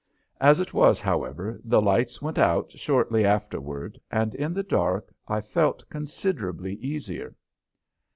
As it was, however, the lights went out shortly afterward and in the dark I felt considerably easier.